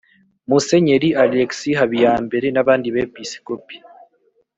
musenyeri alexis habiyambere n’abandi bepiskopi